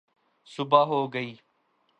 صبح ہو گئی